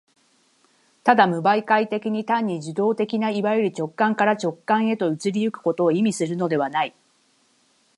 ただ無媒介的に、単に受働的ないわゆる直観から直観へと移り行くことを意味するのではない。